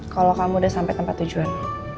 kalau kamu udah sampai tempat tujuan